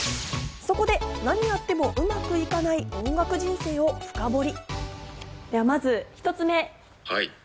そこで、なにやってもうまくいかない音楽人生を深掘り。